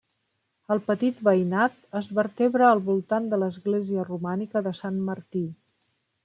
El petit veïnat es vertebra al voltant de l'església romànica de Sant Martí.